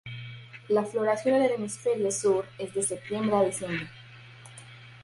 La floración en el hemisferio sur es de septiembre a diciembre.